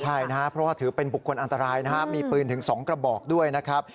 ใช่นะครับเพราะว่าถือเป็นบุคคลอันตรายนะครับมีปืนถึง๒กระบอกด้วยนะครับ